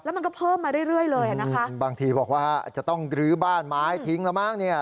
มันก็เพิ่มมาเรื่อยเรื่อยเลยอ่ะนะคะบางทีบอกว่าอาจจะต้องลื้อบ้านไม้ทิ้งแล้วมั้งเนี่ย